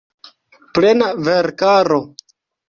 Plena verkaro.